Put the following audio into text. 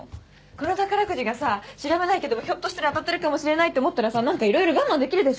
この宝くじがさ調べないけどもひょっとしたら当たってるかもしれないって思ったらさなんかいろいろ我慢できるでしょ？